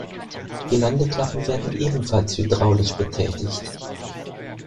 Die Landeklappen werden ebenfalls hydraulisch betätigt.